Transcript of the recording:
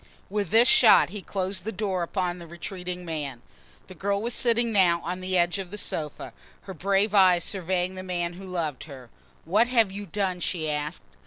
With this shot he closed the door upon the retreating man. The girl was sitting now on the edge of the sofa, her brave eyes surveying the man who loved her. "What have you done?" she asked.